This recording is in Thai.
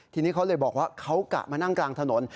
ทีนี้เขาเลยบอกว่าเขากะมานั่งกลางถนน